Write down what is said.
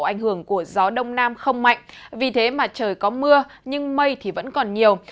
ảnh hưởng của gió đông nam không mạnh vì thế mà trời có mưa nhưng mây thì vẫn còn nhiều